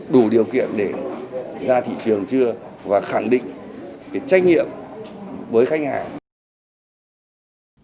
đủ điều kiện để ra thị trường chưa và khẳng định trách nhiệm với khách hàng